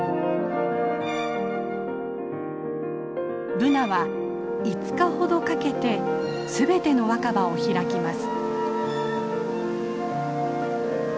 ブナは５日ほどかけて全ての若葉を開きます。